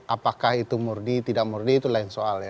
apakah itu murdi tidak murdi itu lain soal ya